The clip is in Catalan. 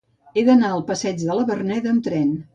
He d'anar al passeig de la Verneda amb tren.